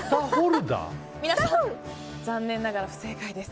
皆さん、残念ながら不正解です。